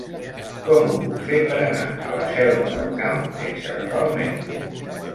Com ho puc fer per anar a la Selva del Camp sense agafar el metro?